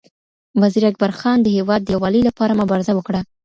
وزیر اکبر خان د هېواد د یووالي لپاره مبارزه وکړه.